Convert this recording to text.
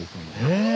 へえ。